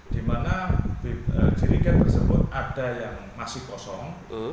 di mana cirigen tersebut ada yang masih kosong